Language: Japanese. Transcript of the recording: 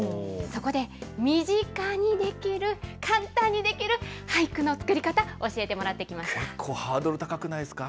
そこで、身近にできる、簡単にできる俳句の作り方、教えてもらっ結構ハードル高くないですか。